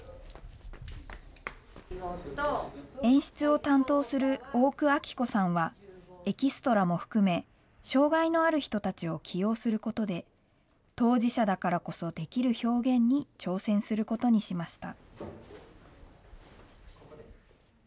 演出を担当する大九明子さんは、エキストラも含め、障害のある人たちを起用することで、当事者だからこそできる表現に挑戦することにしました。